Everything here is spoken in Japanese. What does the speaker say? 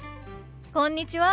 こんにちは。